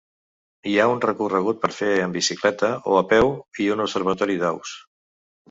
Hi ha un recorregut per fer en bicicleta o a peu i un observatori d'aus.